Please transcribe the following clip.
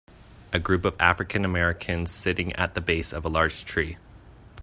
A group of African Americans sitting at the base of a large tree.